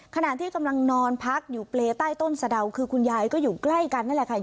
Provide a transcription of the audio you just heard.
ขณะที่กำลังนอนพักอยู่เปรย์ใต้ต้นสะดาวคือคุณยายก็อยู่ใกล้กันนั่นแหละค่ะ